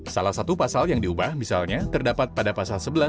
salah satu pasal yang diubah misalnya terdapat pada pasal sebelas